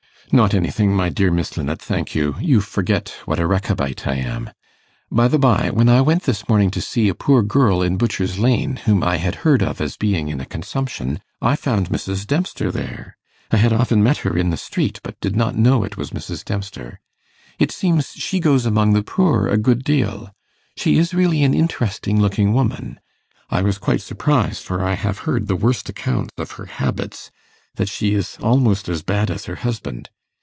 'Not anything, my dear Mrs. Linnet, thank you. You forget what a Rechabite I am. By the by, when I went this morning to see a poor girl in Butcher's Lane, whom I had heard of as being in a consumption, I found Mrs. Dempster there. I had often met her in the street, but did not know it was Mrs. Dempster. It seems she goes among the poor a good deal. She is really an interesting looking woman. I was quite surprised, for I have heard the worst account of her habits that she is almost as bad as her husband.